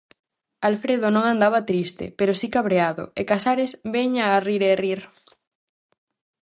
Alfredo non andaba triste, pero si cabreado, e Casares veña a rir e rir.